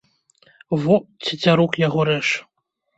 Во, цецярук яго рэж.